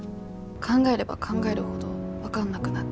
考えれば考えるほど分かんなくなって。